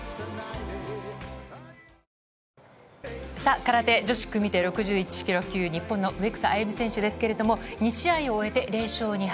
空手女子組手６１ｋｇ級、日本の植草歩選手ですけれど、２試合を終えて０勝２敗。